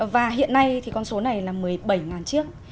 và hiện nay thì con số này là một mươi bảy chiếc